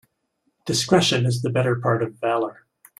Discretion is the better part of valour.